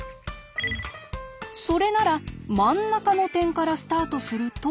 それなら真ん中の点からスタートすると。